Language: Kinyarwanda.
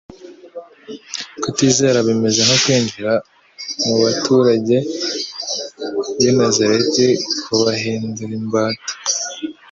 Kutizera bimaze kwinjira mu baturage b'i Nazareti, kubahindura imbata.